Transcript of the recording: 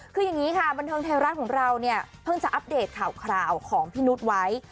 คืออย่างนี้ค่ะบันเทิงไทยรัฐของเราเนี่ยเพิ่งจะอัปเดตข่าวของพี่นุษย์ไว้